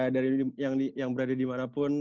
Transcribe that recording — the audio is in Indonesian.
dari yang berada dimanapun